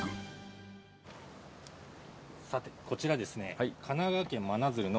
さてこちらですね。